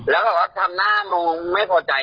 แล้วเขาก็ทำหน้ามงไม่พอใจ